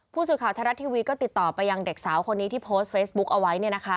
ผู้สื่อข่าวไทยรัฐทีวีก็ติดต่อไปยังเด็กสาวคนนี้ที่โพสต์เฟซบุ๊กเอาไว้